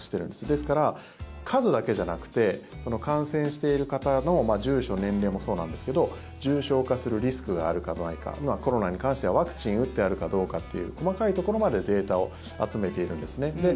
ですから、数だけじゃなくて感染している方の住所、年齢もそうなんですけど重症化するリスクがあるかないかコロナに関しては、ワクチン打ってあるかどうかという細かいところまでデータを集めているんですね。